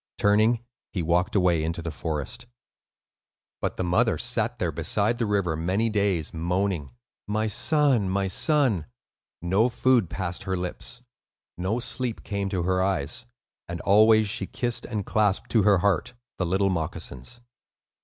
Turning, he walked away into the forest. But the mother sat there beside the river many days, moaning, "My son, my son." No food passed her lips, no sleep came to her eyes; and always she kissed and clasped to her heart the little moccasins.